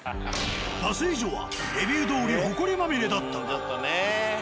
脱衣所はレビューどおりホコリまみれだった。